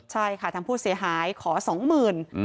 ใช่ค่ะทางผู้เสียหายขอสองหมื่น